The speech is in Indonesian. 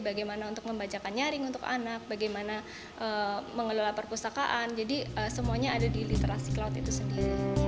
bagaimana untuk membacakan nyaring untuk anak bagaimana mengelola perpustakaan jadi semuanya ada di literasi cloud itu sendiri